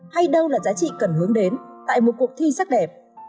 hay đâu là giá trị cần hướng đến tại một cuộc thi sắc đẹp